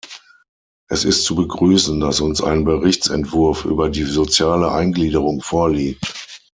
Es ist zu begrüßen, dass uns ein Berichtsentwurf über die soziale Eingliederung vorliegt.